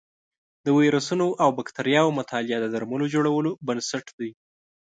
د ویروسونو او بکتریاوو مطالعه د درملو جوړولو بنسټ دی.